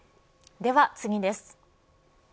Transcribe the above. では次です。